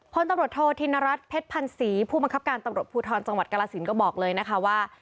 พลตำรวจโทษธินรัฐเพชรพันศรีผู้บังคับการตำรวจภูทรจังหวัดกรสินก็บอกเลยนะคะว่า